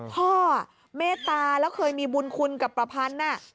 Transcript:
เมตตาแล้วเคยมีบุญคุณกับประพันธ์